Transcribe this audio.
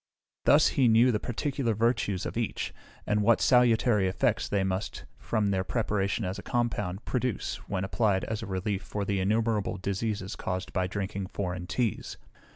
Thus he knew the particular virtues of each, and what salutary effects they must, from their preparation as a compound, produce when applied as a relief for the innumerable diseases caused by drinking foreign teas.